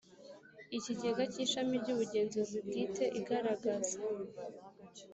ikigega kishami ryubugenzuzi bwite igaragaza